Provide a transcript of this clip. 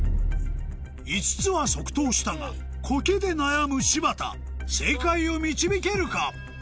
５つは即答したがコケで悩む柴田正解を導けるか？